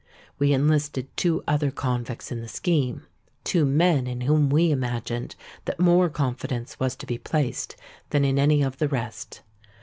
We enlisted two other convicts in the scheme,—two men in whom we imagined that more confidence was to be placed than in any of the rest.